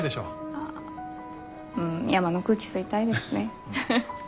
ああうん山の空気吸いたいですね。